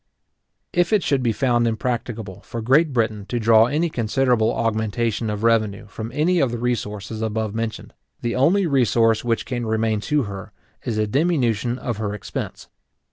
If it should be found impracticable for Great Britain to draw any considerable augmentation of revenue from any of the resources above mentioned, the only resource which can remain to her, is a diminution of her expense.